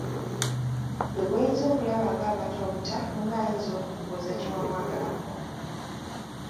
Ggwe gw'oyinza okulaba ng'amata obuta munno ayinza okukubuuza kye wamwagalako.